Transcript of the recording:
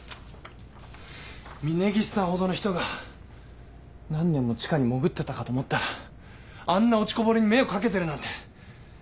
峰岸さんほどの人が何年も地下に潜ってたかと思ったらあんな落ちこぼれに目をかけてるなんて。